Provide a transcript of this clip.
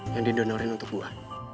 yang didonorin untuk gue